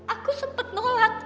aku sempet nolak